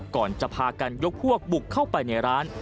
ก่อนจะพากันยกพวกบุกเข้าไปในร้าน